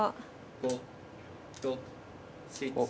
５６７。